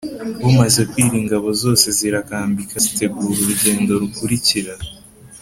Bumaze kwira ingabo zose zirakambika zitegura urugendo rukurikira